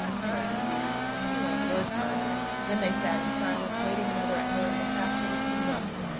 "Murder you. You ain't worth murdering." Then they sat in silence, waiting another hour and a half till the steamboat came.